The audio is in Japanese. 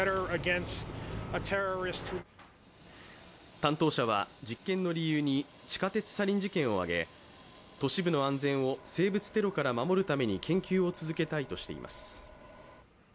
担当者は実験の理由に地下鉄サリン事件を挙げ都市部の安全を生物テロから守るために研究を続けたいとしています。